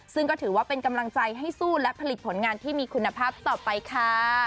ซึ่งก็ถือว่าเป็นกำลังใจให้สู้และผลิตผลงานที่มีคุณภาพต่อไปค่ะ